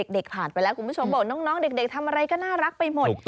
ผ่านไปแล้วคุณผู้ชมบอกน้องเด็กทำอะไรก็น่ารักไปหมด